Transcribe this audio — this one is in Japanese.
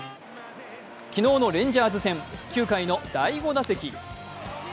昨日のレンジャーズ戦９回の第５打席。